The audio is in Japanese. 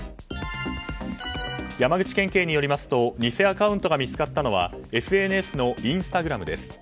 山口県警によりますと偽アカウントが見つかったのはＳＮＳのインスタグラムです。